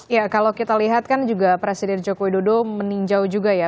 ya kalau kita lihat kan juga presiden joko widodo meninjau juga ya